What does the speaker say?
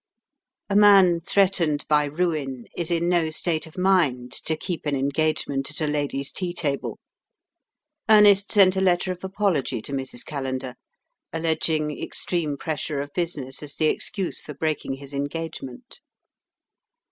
A man threatened by ruin is in no state of mind to keep an engagement at a lady's tea table. Ernest sent a letter of apology to Mrs. Callender, alleging extreme pressure of business as the excuse for breaking his engagement.